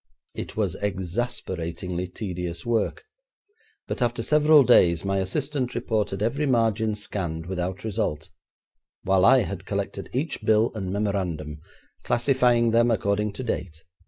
It was exasperatingly tedious work, but after several days my assistant reported every margin scanned without result, while I had collected each bill and memorandum, classifying them according to date.